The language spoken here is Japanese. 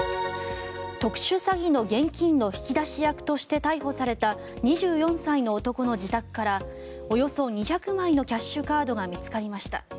特殊詐欺の現金の引き出し役として逮捕された２４歳の男の自宅からおよそ２００枚のキャッシュカードが見つかりました。